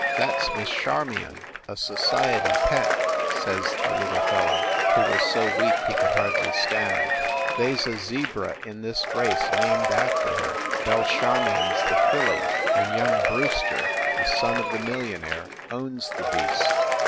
72 FIND THE WOMAN That s Miss Charmion, a society pet/ says the little fellow, who was so weak he could hardly stand. "They s a zebra in this race named after her. Bel charmion s the filly, and young Brewster, the son of the millionaire, owns the beast."